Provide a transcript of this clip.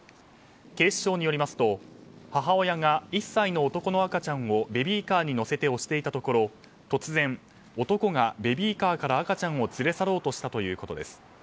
警視庁によりますと母親が１歳の男の赤ちゃんをベビーカーに乗せて押していたところ突然、男がベビーカーから赤ちゃんを連れ去ろうとしたということです。